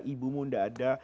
ibumu tidak ada